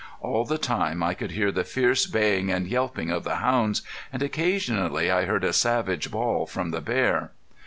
All the time I could hear the fierce baying and yelping of the hounds, and occasionally I heard a savage bawl from the bear.